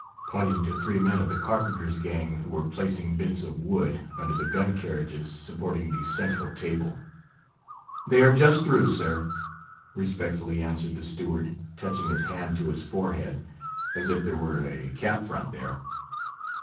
pointing to three men of the carpenter's gang, who were placing bits of wood under the gun carriages supporting the central table. "They are just through, sir," respectfully answered the steward, touching his hand to his forehead, as if there were a cap front there.